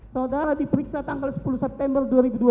saudara diperiksa tanggal sepuluh september dua ribu dua puluh